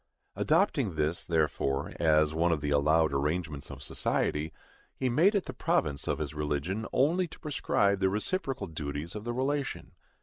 Adopting this, therefore, as one of the allowed arrangements of society, he made it the province of his religion only to prescribe the reciprocal duties of the relation.